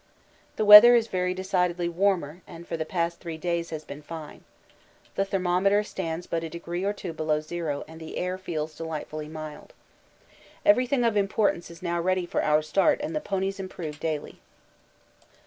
The weather is very decidedly warmer and for the past three days has been fine. The thermometer stands but a degree or two below zero and the air feels delightfully mild. Everything of importance is now ready for our start and the ponies improve daily.